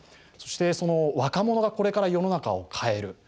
そしてその若者がこれから世の中を変える。